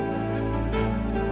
del mama aslinya